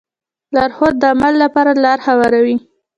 لارښود د عمل لپاره لاره هواروي.